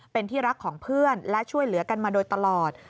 เป็นที่รักของเพื่อนและช่วยเหลือกันมาโดยตลอด